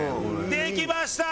できました！